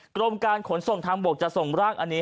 กรมการขนส่งทางบกจะส่งร่างอันนี้